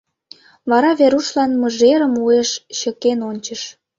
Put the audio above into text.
Вара Верушлан мыжерым уэш чыкен ончыш.